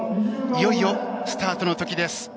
いよいよスタートの時です。